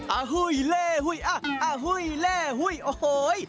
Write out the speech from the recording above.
หุ้ยเล่หุ้ยอ่ะอาหุ้ยเล่หุ้ยโอ้โห